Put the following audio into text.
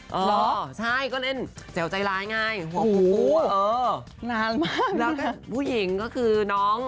หรอใช่ก็เล่นเจี๋วใจร้ายง่ายหัวพูเออแล้วก็ผู้หญิงก็คือน้อง